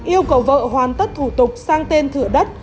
yêu cầu vợ hoàn tất thủ tục sang tên thửa đất